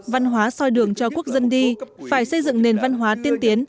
văn hóa soi đường cho quốc dân đi phải xây dựng nền văn hóa tiên tiến